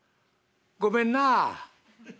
ごめんなあ。